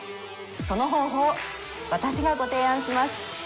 その方法を私がご提案します